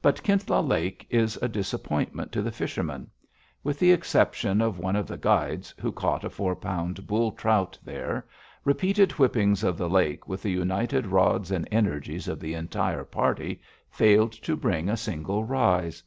But Kintla Lake is a disappointment to the fisherman. With the exception of one of the guides, who caught a four pound bull trout there, repeated whippings of the lake with the united rods and energies of the entire party failed to bring a single rise.